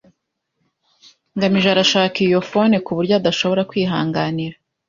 ngamije arashaka iyo pome kuburyo adashobora kwihanganira.